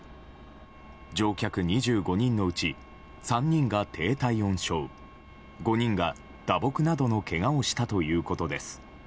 乗客２５人のうち３人が低体温症５人が打撲などのけがをしたということです。